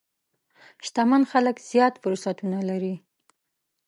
شتمن خلک زیات فرصتونه لري.